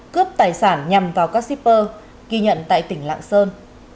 cướp tài sản nhằm vào các shipper ghi nhận tại tỉnh lạng sơn